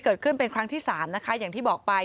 เกิดขึ้นเป็นครั้งที่๓นะคะอย่างที่บอกไป